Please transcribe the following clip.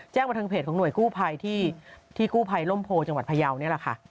มาทางเพจของหน่วยกู้ภัยที่กู้ภัยร่มโพจังหวัดพยาวนี่แหละค่ะ